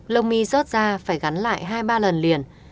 lông mi rót ra phải gắn lại hai ba lần liền